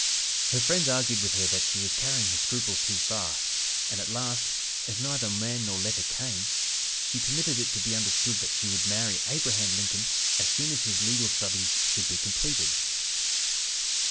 Her friends argued with her that she was carrying her scruples too far, and at last, as neither man nor letter came, she permitted it to be understood that she would marry Abraham Lincoln as soon as his legal studies should be completed.